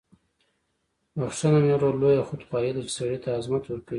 بخښنه هم یو ډول لویه خودخواهي ده، چې سړی ته عظمت ورکوي.